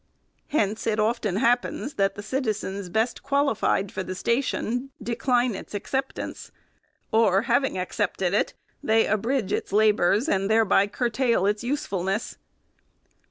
Hence it often happens, that the citizens, best qualified for the station, decline its acceptance ; or, having ac cepted it, they abridge its labors, and thereby curtail its usefulness.